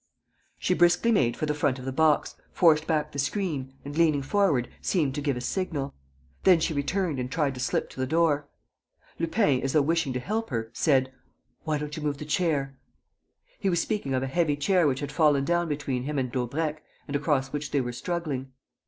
She briskly made for the front of the box, forced back the screen and, leaning forward, seemed to give a signal. Then she returned and tried to slip to the door. Lupin, as though wishing to help her, said: "Why don't you move the chair?" He was speaking of a heavy chair which had fallen down between him and Daubrecq and across which they were struggling.